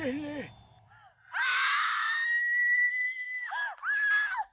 tadi ada yang lewat